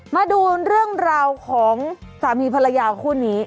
มาดูเรื่องราวของสามีภรรยาคู่นี้